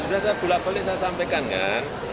sudah saya belak belik saya sampaikan kan